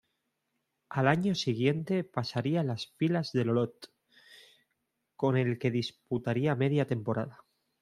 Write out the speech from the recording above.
Al año siguiente pasaría las filas del Olot, con el que disputaría media temporada.